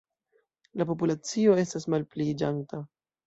La populacio estas malpliiĝanta.